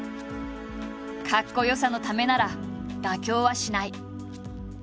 かっこよさのためなら妥協はしない。